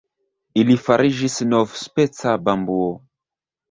Ili fariĝis novspeca bambuo.